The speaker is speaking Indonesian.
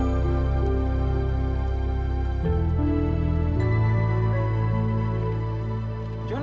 kamu perlu uang